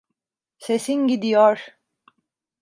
Sesin gidiyor.